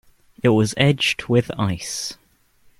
It was edged with ice.